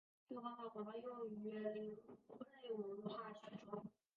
这个方法广泛用于甾类化学中。